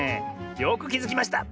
よくきづきました！